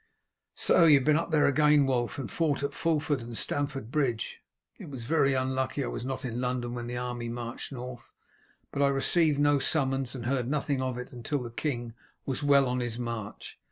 "So you have been up there again, Wulf, and fought at Fulford and Stamford Bridge. It was very unlucky I was not in London when the army marched north; but I received no summons, and heard nothing of it until the king was well on his march.